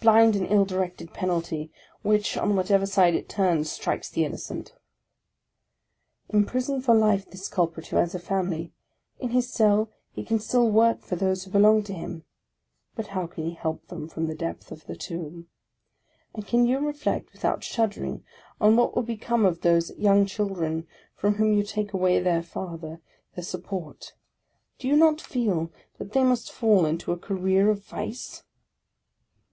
Blind and ill directed penalty; which, on whatever side it turns, strikes the innocent ! Imprison for life this culprit who has a family : in his cell he can still work for those who belong to him. But how can he help them from the depth of the tomb? And can you reflect without shuddering, on what will become of those young children, from whom you take away their father, their sup port? Do you not feel that they must fall into a career of vice